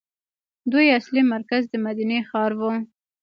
دوی اصلي مرکز د مدینې ښار وو.